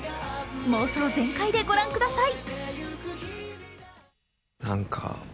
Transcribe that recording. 妄想全開でご覧ください。